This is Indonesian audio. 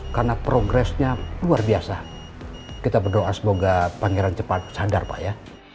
karena progresnya luar biasa kita berdoa semoga pangeran cepat sadar pak ya